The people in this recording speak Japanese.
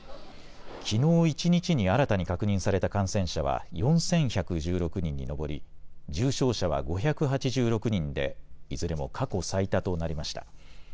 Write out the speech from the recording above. きのう一日に新たに確認された感染者は４１１６人に上り重症者は５８６人でいずれも過去最多となりました。